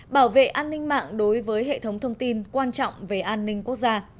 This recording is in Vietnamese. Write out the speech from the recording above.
bảo vệ an ninh mạng đối với hệ thống thông tin quan trọng về an ninh quốc gia